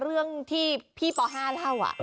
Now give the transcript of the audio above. เรื่องที่พี่ป๕เล่า